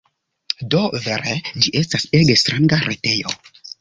Do, vere ĝi estas ege stranga retejo.